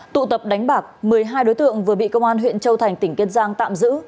tụ tập đánh bạc một mươi hai đối tượng vừa bị công an huyện châu thành tỉnh kiên giang tạm giữ